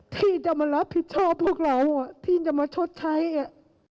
ที่จะมารับผิดชอบพวกเราอ่ะที่จะมาชดใช้อ่ะ